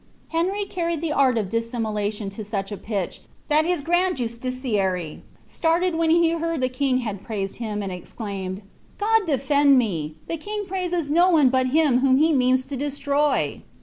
* Henry carried the art of dissimulation to such a pitch that his grand insticiary started when he heard the king had praised him, and exclaimed. •God defend me! the king praises no one but him whom he means to ienuroy.""